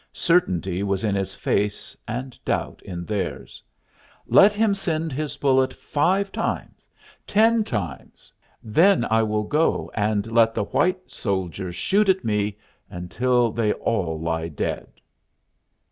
Certainty was in his face, and doubt in theirs. "Let him send his bullet five times ten times. Then I will go and let the white soldiers shoot at me until they all lie dead."